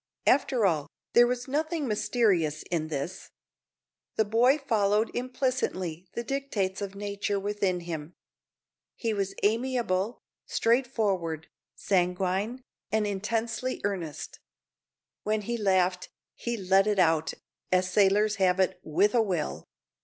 After all, there was nothing mysterious in this. The boy followed implicitly the dictates of nature within him. He was amiable, straightforward, sanguine, and intensely earnest. When he laughed, he let it out, as sailors have it, "with a will."